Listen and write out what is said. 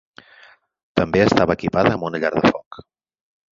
També estava equipada amb una llar de foc.